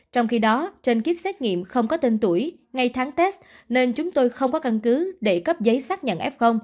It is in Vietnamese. trong khi đó trên kit xét nghiệm không có tên tuổi ngay tháng test nên chúng tôi không có căn cứ để cấp giấy xác nhận f